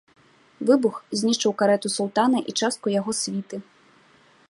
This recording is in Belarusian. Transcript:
Выбух знішчыў карэту султана і частку яго світы.